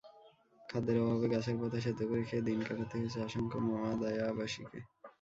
খাদ্যের অভাবে গাছের পাতা সেদ্ধ করে খেয়ে দিন কাটাতে হয়েছে অসংখ্য মাদায়াবাসীকে।